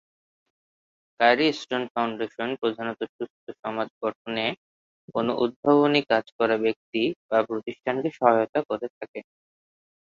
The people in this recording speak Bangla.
কারি স্টোন ফাউন্ডেশন প্রধানত সুস্থ সমাজ গঠনে কোনো উদ্ভাবনী কাজ করা ব্যক্তি বা প্রতিষ্ঠানকে সহায়তা করে থাকে।